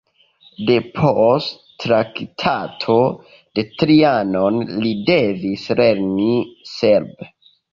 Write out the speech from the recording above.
Depost Traktato de Trianon li devis lerni serbe.